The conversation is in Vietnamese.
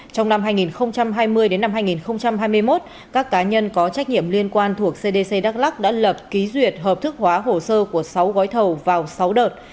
trong năm hai nghìn hai mươi hai nghìn hai mươi một các cá nhân có trách nhiệm liên quan thuộc cdc đắk lắc đã lập ký duyệt hợp thức hóa hồ sơ của sáu gói thầu vào sáu đợt